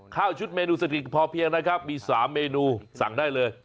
ชุดเมนูเศรษฐกิจพอเพียงนะครับมี๓เมนูสั่งได้เลย